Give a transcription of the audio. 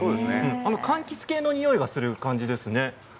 かんきつ系のにおいがする感じですね。